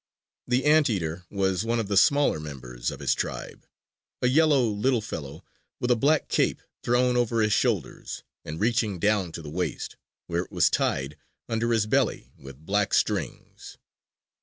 The Anteater was one of the smaller members of his tribe a yellow little fellow with a black cape thrown over his shoulders and reaching down to the waist, where it was tied under his belly with black strings.